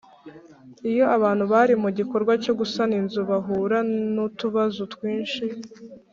iyo abantu bari mu gikorwa cyo gusana inzu bahura n’utubazo twinshi.